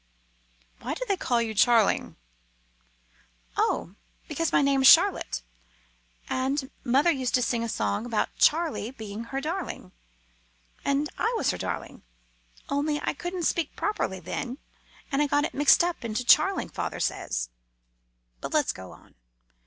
"Why do they call you Charling?" "Oh! because my name's Charlotte, and mother used to sing a song about Charlie being her darling, and I was her darling, only I couldn't speak properly then; and I got it mixed up into Charling, father says. But let's go on.